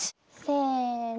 せの。